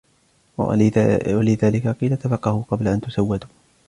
وَلِذَلِكَ قِيلَ تَفَقَّهُوا قَبْلَ أَنْ تَسُودُوا